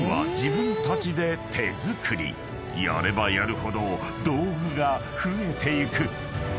［やればやるほど道具が増えていく］